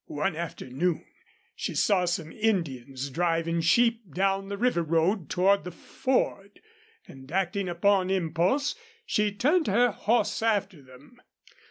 One afternoon she saw some Indians driving sheep down the river road toward the ford, and, acting upon impulse, she turned her horse after them.